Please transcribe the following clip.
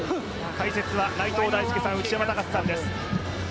解説は内藤大助さん、内山高志さんです。